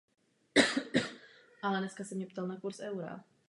Otec v matrice není uveden.